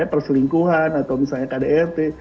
perselingkuhan atau misalnya kdrt